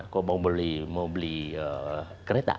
kok mau beli kereta